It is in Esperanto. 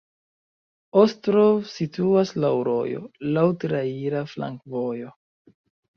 Ostrov situas laŭ rojo, laŭ traira flankovojo.